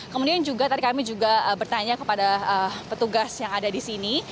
kemudian juga tadi kami juga bertanya kepada petugas yang ada di sini